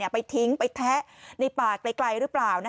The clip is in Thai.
ไปทิ้งไปแทะในป่าไกลหรือเปล่า